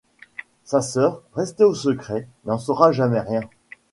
Sa sœur, restée au secret, n'en saura jamais rien.